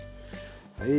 はい。